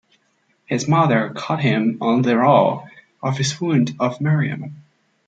His mother caught him on the raw of his wound of Miriam.